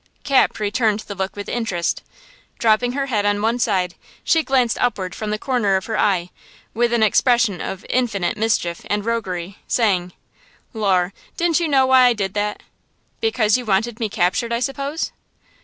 Cap returned the look with interest. Dropping her head on one side, she glanced upward from the corner of her eye, with an expression of "infinite" mischief and roguery, saying "Lor, didn't you know why I did that?" "Because you wanted me captured, I suppose."